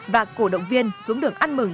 và cổ động viên xuống đường ăn mừng